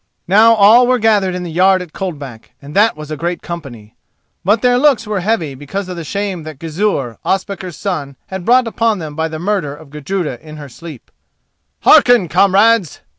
Now all were gathered in the yard at Coldback, and that was a great company. But their looks were heavy because of the shame that Gizur, Ospakar's son, had brought upon them by the murder of Gudruda in her sleep. "Hearken, comrades!"